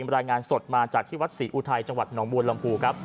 รายงานสดมาจากที่วัดศรีอุทัยจังหวัดหนองบัวลำพูครับ